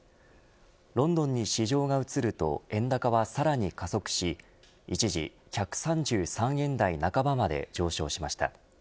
ロンドンに市場が移ると円高はさらに加速し一時１３３円台半ばまで上昇しました。